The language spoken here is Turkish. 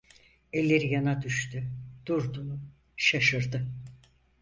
Elleri yana düştü, durdu, şaşırdı...